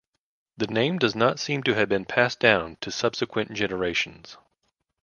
The name does not seem to have been passed down to subsequent generations.